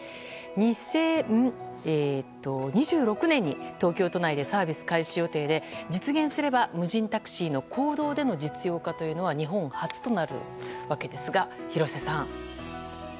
２０２６年に東京都内でサービス開始予定で実現すれば無人タクシーの公道での実用化は日本初となりますが廣瀬さん。